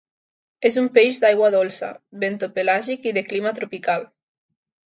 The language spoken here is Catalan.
És un peix d'aigua dolça, bentopelàgic i de clima tropical.